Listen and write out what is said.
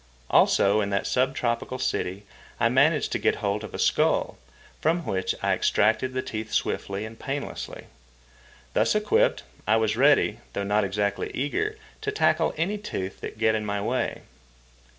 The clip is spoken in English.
Also, in that sub tropical city I managed to get hold of a skull, from which I extracted the teeth swiftly and painlessly. Thus equipped, I was ready, though not exactly eager, to tackle any tooth that get in my way.